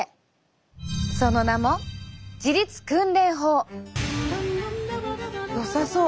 その名もよさそう。